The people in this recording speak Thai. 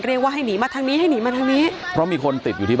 แล้วน้ำซัดมาอีกละรอกนึงนะฮะจนในจุดหลังคาที่เขาไปเกาะอยู่เนี่ย